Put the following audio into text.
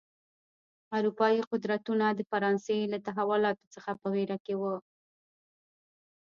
اروپايي قدرتونه د فرانسې له تحولاتو څخه په وېره کې و.